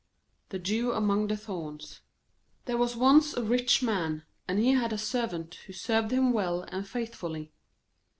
The Jew among the Thorns There was once a rich Man, and he had a Servant who served him well and faithfully.